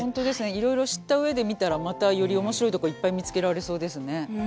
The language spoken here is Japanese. いろいろ知った上で見たらまたより面白いとこいっぱい見つけられそうですね。